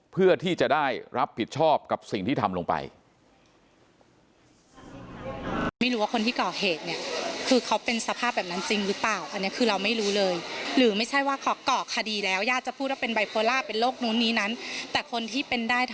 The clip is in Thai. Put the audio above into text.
เพื่อที่จะได้รับผิดชอบกับสิ่งที่ทำลงไป